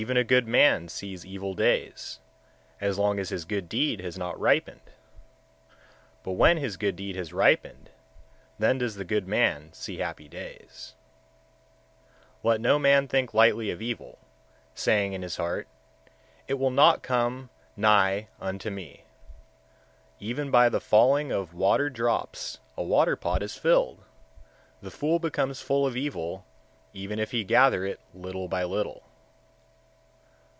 120. Even a good man sees evil days, as long as his good deed has not ripened; but when his good deed has ripened, then does the good man see happy days. 121. Let no man think lightly of evil, saying in his heart, It will not come nigh unto me. Even by the falling of water drops a water pot is filled; the fool becomes full of evil, even if he gather it little by little.